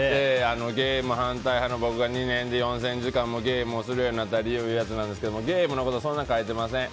「ゲーム反対派の僕が２年で４０００時間もゲームをするようになった理由」なんですけどゲームのことそんなに書いてません。